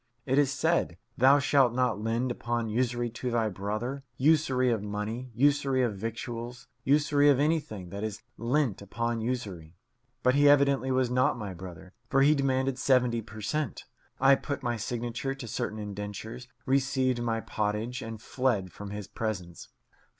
It is said, "Thou shalt not lend upon usury to thy brother; usury of money, usury of victuals, usury of anything that is lent upon usury"; but he evidently was not my brother, for he demanded seventy per cent. I put my signature to certain indentures, received my pottage, and fled from his presence.